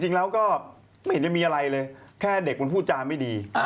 จริงแล้วก็ไม่เห็นจะมีอะไรเลยแค่เด็กมันพูดจาไม่ดี